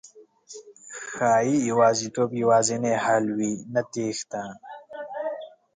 ښایي يوازېتوب یوازېنی حل وي، نه تېښته